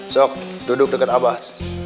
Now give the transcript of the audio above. sok duduk deket abah